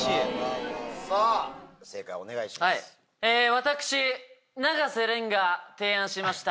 私永瀬廉が提案しました